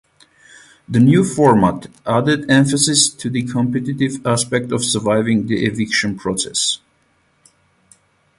The new format added emphasis to the competitive aspect of surviving the eviction process.